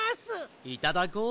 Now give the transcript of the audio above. いただこう。